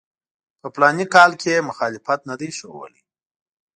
په فلاني کال کې یې مخالفت نه دی ښودلی.